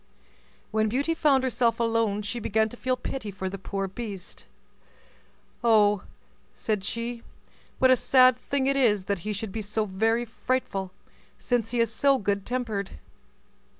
When Beauty found herself alone, she began to feel pity for the poor beast. "Oh!" said she, "what a sad thing it is that he should be so very frightful, since he is so good tempered!"